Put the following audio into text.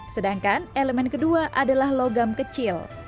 sedangkan elemen kedua adalah logam kecil